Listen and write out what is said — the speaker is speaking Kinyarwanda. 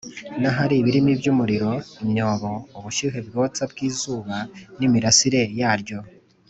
n’ahari ibirimi by’umuriro, imyobo, ubushyuhe bwotsa bw’izuba n’imirase yaryo